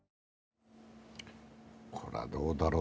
これはどうだろう。